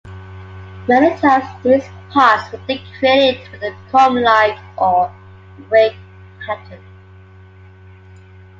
Many times these pots were decorated with a comb-like or rake pattern.